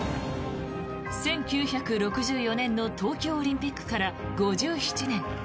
１９６４年の東京オリンピックから５７年。